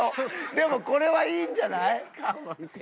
でもこれはいいんじゃない？